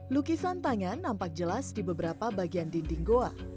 lukisan tangan nampak jelas di beberapa bagian dinding goa